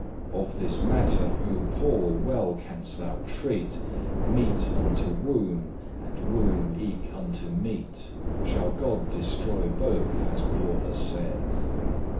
Of this mattere, O Paul! well canst thou treat Meat unto womb,* and womb eke unto meat, *belly Shall God destroye both, as Paulus saith.